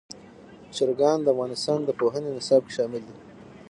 چرګان د افغانستان د پوهنې نصاب کې شامل دي.